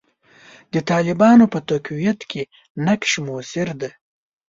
د طالبانو په تقویت کې نقش موثر دی.